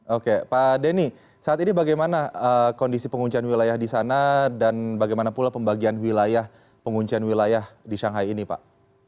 oke pak denny saat ini bagaimana kondisi penguncian wilayah di sana dan bagaimana pula pembagian wilayah penguncian wilayah di shanghai ini pak